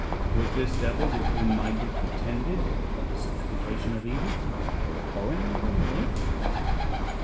'" Was this devil with whom Michael contended a personification of evil, or a poem, or a myth?